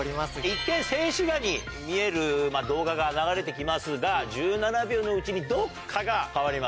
一見静止画に見える動画が流れて来ますが１７秒のうちにどっかが変わります。